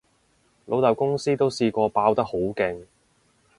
老豆公司都試過爆得好勁